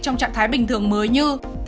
trong trạng thái bình thường mới như